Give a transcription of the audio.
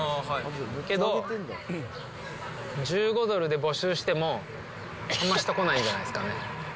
けど、１５ドルで募集しても、あんま人来ないんじゃないですかね。